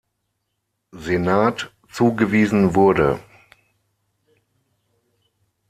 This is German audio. Senat zugewiesen wurde.